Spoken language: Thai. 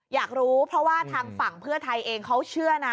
อยากรู้เพราะว่าทางฝั่งเพื่อไทยเองเขาเชื่อนะ